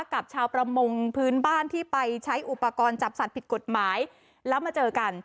กับชาวประมงพื้นบ้านที่ไปใช้อุปกรณ์จับสัตว์ผิดกฎหมายแล้วมาเจอกัน